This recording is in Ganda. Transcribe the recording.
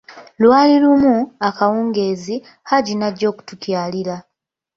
Lwali lumu, akawungeezi, Haji n'ajja okutukyalira.